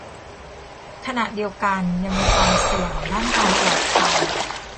ขณะเดียวกันยังมีความเสี่ยงด้านความปลอดภัย